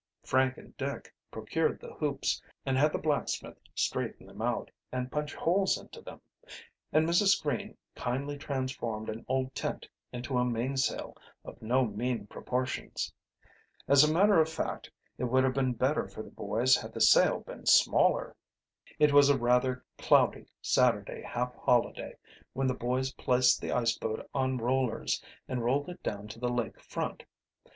Frank and Dick procured the hoops and had the blacksmith straighten them out and punch holes into them, and Mrs. Green kindly transformed an old tent into a mainsail of no mean proportions. As a matter of fact it would have been better for the boys had the sail been smaller. It was a rather cloudy Saturday half holiday when the boys placed the ice boat on rollers and rolled it down to the lake front.